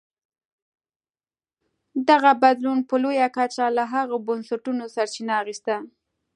دغه بدلون په لویه کچه له هغو بنسټونو سرچینه اخیسته.